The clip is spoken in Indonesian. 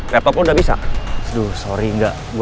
caba kalah dong